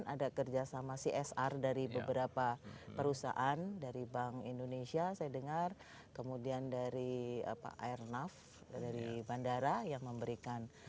ada kerjasama csr dari beberapa perusahaan dari bank indonesia saya dengar kemudian dari airnav dari bandara yang memberikan